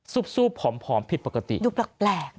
ซุบซุบผอมภิปกติดูแปลก